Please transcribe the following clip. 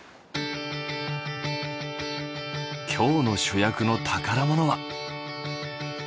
今日の主役の宝物は。